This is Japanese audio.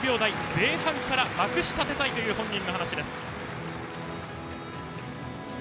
前半から、まくし立てたいという本人の話です。